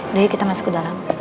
udah ya kita masuk ke dalam